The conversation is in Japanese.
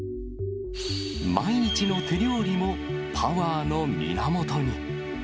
毎日の手料理も、パワーの源に。